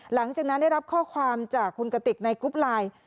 หลังจากนั้นได้รับข้อความจากคุณกติกในกรุ๊ปไลน์